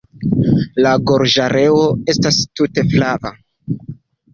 La gorĝareo estas tute flava.